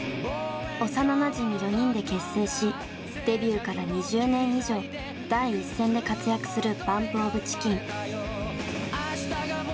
幼なじみ４人で結成しデビューから２０年以上第一線で活躍するＢＵＭＰＯＦＣＨＩＣＫＥＮ。